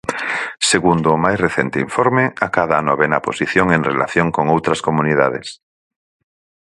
Segundo o máis recente informe, acada a novena posición en relación con outras comunidades.